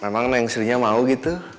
memang neng sri nya mau gitu